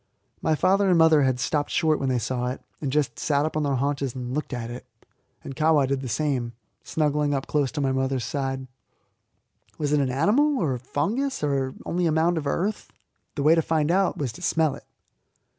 My father and mother had stopped short when they saw it, and just sat up on their haunches and looked at it; and Kahwa did the same, snuggling up close to my mother's side. Was it an animal, or a fungus, or only a mound of earth? The way to find out was to smell it.